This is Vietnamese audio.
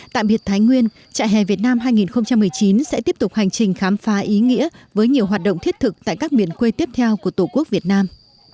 tạm biệt thái nguyên trại hè việt nam hai nghìn một mươi chín sẽ tiếp tục hành trình khám phá ý nghĩa với nhiều hoạt động thiết thực tại các miền quê tiếp theo của tổ quốc việt nam